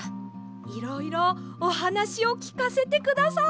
いろいろおはなしをきかせてください！